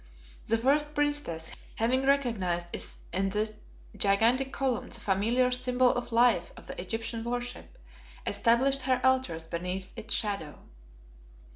The first priestess, having recognized in this gigantic column the familiar Symbol of Life of the Egyptian worship, established her altars beneath its shadow.